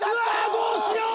どうしよう！